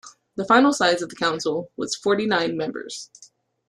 The final size of the council was forty-nine members.